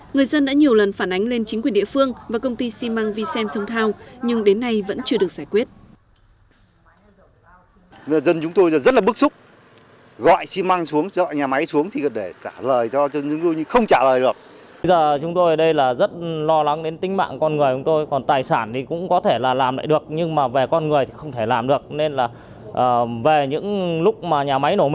người dân đã nhiều lần phản ánh lên chính quyền địa phương và công ty xi măng vinsem song thao